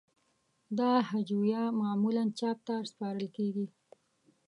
دا هجویه معمولاً چاپ ته سپارل کیږی.